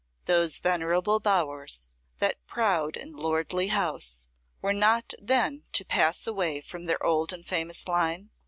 Those venerable bowers, that proud and lordly house, were not then to pass away from their old and famous line?